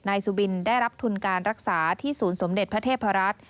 สุบินได้รับทุนการรักษาที่ศูนย์สมเด็จพระเทพรัฐ